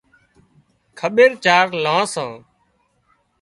کٻير چار لان سان